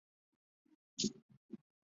达韦齐厄。